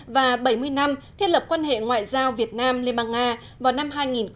và bảy mươi năm thiết lập quan hệ ngoại giao việt nam liên bang nga vào năm hai nghìn hai mươi